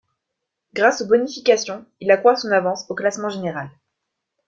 Grâce aux bonifications, il accroît son avance au classement général.